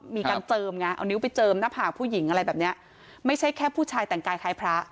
มีการเจิมไงเอานิ้วไปเจิมหน้าผากผู้หญิงอะไรแบบเนี้ยไม่ใช่แค่ผู้ชายแต่งกายคล้ายพระ